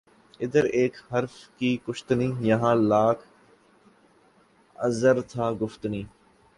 ادھر ایک حرف کہ کشتنی یہاں لاکھ عذر تھا گفتنی